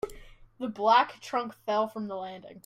The black trunk fell from the landing.